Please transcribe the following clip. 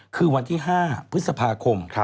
คือวันที่๕พฤษภาคม